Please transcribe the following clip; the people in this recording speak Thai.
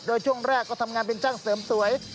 โดยช่วงแรกก็ทำงานเป็นช่างเสริมสวย